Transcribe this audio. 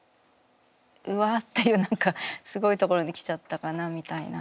うわっていう何かすごいところに来ちゃったかなみたいな。